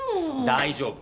大丈夫。